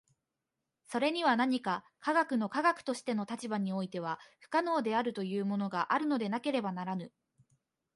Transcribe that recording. それには何か科学の科学としての立場においては不可能であるというものがあるのでなければならぬ。